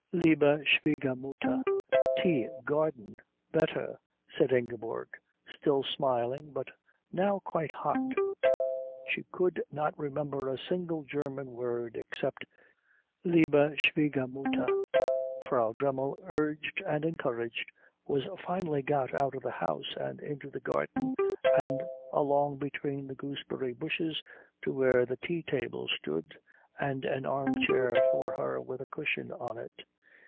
"Liebe Schwiegermutter tea garden better," said Ingeborg, still smiling but now quite hot. She could not remember a single German word except liebe Schwiegermutter. Frau Dremmel, urged and encouraged, was finally got out of the house and into the garden and along between the gooseberry bushes to where the tea table stood and an armchair for her with a cushion on it.